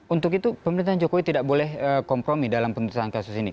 untuk itu pemerintahan jokowi tidak boleh kompromi dalam penutusan kasus ini